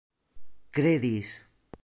kredis